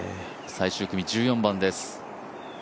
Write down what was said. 最終組１４番です。